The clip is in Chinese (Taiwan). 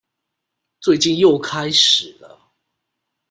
最近又開始了